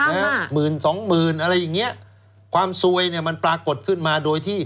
หมื่นสองหมื่นอะไรอย่างเงี้ยความซวยเนี้ยมันปรากฏขึ้นมาโดยที่